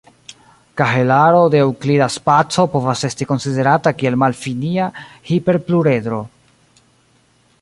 Kahelaro de eŭklida spaco povas esti konsiderata kiel malfinia hiperpluredro.